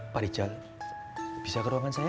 pak rijal bisa ke ruangan saya